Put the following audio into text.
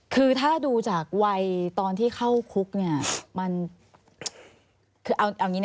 คือถ้าดูจากวัยตอนที่เข้าคุกเนี่ย